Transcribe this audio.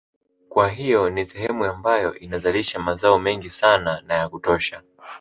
Kwa hiyo ni sehemu ambayo inazalisha mazao mengi sana na ya kutosha